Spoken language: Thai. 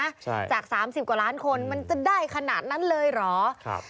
ใช่จากสามสิบกว่าล้านคนมันจะได้ขนาดนั้นเลยเหรอครับ